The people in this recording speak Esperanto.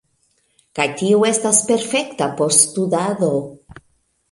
Kaj tio estas perfekta por studado